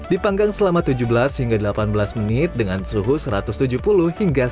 dipanggang selama tujuh belas hingga delapan belas menit dengan suhu satu ratus tujuh puluh hingga satu ratus tujuh puluh lima